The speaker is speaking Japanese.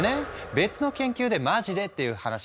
別の研究でマジで？っていう話があってね。